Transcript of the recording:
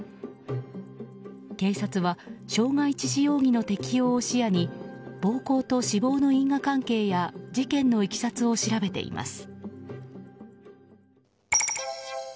警察は傷害致死容疑の適用を視野に暴行と死亡の因果関係や事件のいきさつを調べています。